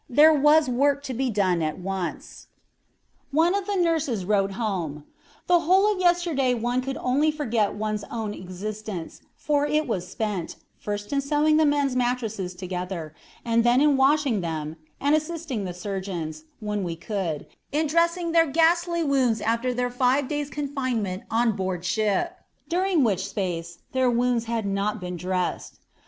There was work to be done at once. One of the nurses wrote home, "The whole of yesterday one could only forget one's own existence, for it was spent, first in sewing the men's mattresses together, and then in washing them, and assisting the surgeons, when we could, in dressing their ghastly wounds after their five days' confinement on board ship, during which space their wounds had not been dressed.